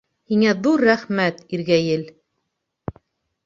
Һиңә ҙур рәхмәт, Иргәйел!